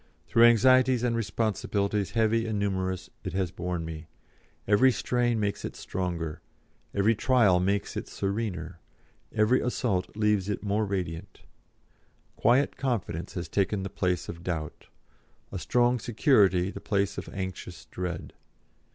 Through anxieties and responsibilities heavy and numerous it has borne me; every strain makes it stronger; every trial makes it serener; every assault leaves it more radiant. Quiet confidence has taken the place of doubt; a strong security the place of anxious dread.